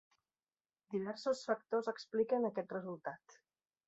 Diversos factors expliquen aquest resultat.